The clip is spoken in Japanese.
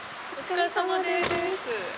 お疲れさまです。